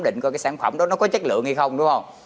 định coi cái sản phẩm đó nó có chất lượng hay không đúng không